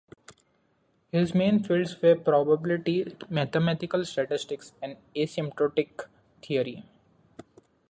His main fields were probability, mathematical statistics, and asymptotic theory.